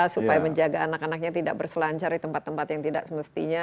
supaya menjaga anak anaknya tidak berselancar di tempat tempat yang tidak semestinya